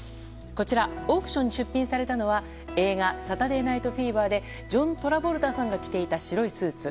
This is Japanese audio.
こちら、オークションに出品されたのは映画「サタデー・ナイト・フィーバー」でジョン・トラボルタさんが着ていた白いスーツ。